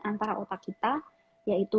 antara otak kita yaitu